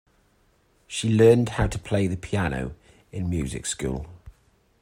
She learned how to play the piano in music school.